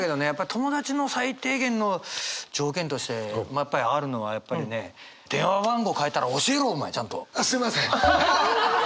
友達の最低限の条件としてやっぱりあるのはやっぱりね電話番号変えたら教えろお前ちゃんと！あっすみません！